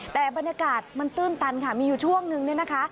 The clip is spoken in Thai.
แต่บรรยากาศมันตื้นตันค่ะมีอยู่ช่วงนึงเนี่ยนะคะ